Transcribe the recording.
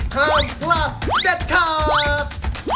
ข้ามกล้าเด็ดขาด